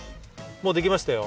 もうできましたよ！